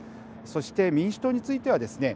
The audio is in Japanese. そして民主党についてはですね